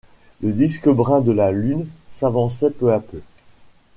Le disque brun de la lune s’avançait peu à peu.